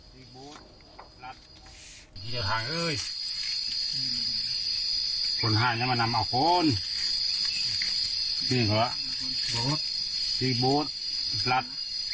นี่เดี๋ยวทางเอ้ยคนห้าอย่างน้ำมานำออกค้นนี่เหรอพี่โบ๊ทพี่โบ๊ทหลัด